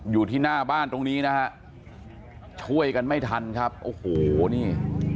อยู่ที่หน้าบ้านตรงนี้นะฮะช่วยกันไม่ทันครับโอ้โหนี่